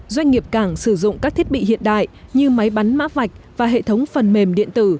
doanh nghiệp cảng sử dụng các thiết bị hiện đại như máy bắn mã vạch và hệ thống phần mềm điện tử